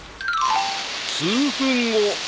［数分後］